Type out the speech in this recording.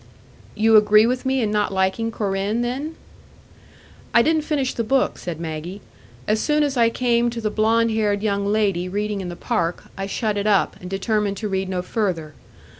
"You agree with me in not liking Corinne, then?" "I didn't finish the book," said Maggie. "As soon as I came to the blond haired young lady reading in the park, I shut it up, and determined to read no further.